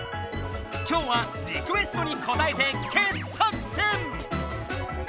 今日はリクエストにこたえて傑作選！